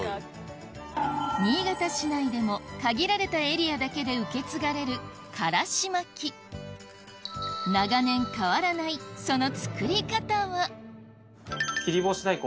新潟市内でも限られたエリアだけで受け継がれるからし巻長年変わらない切り干し大根